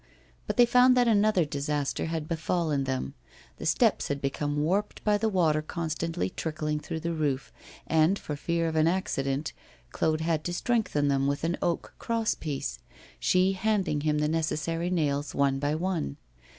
But they found that another disaster had befallen them the steps had become warped by the water constantly trickling through the roof, and, for fear of an accident, Claude had to strengthen them with an oak cross piece, she handing him the necessary nails one by one.